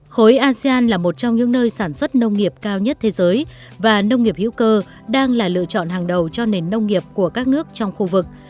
khối asean là một trong những nơi sản xuất nông nghiệp cao nhất thế giới và nông nghiệp hữu cơ đang là lựa chọn hàng đầu cho nền nông nghiệp của các nước trong khu vực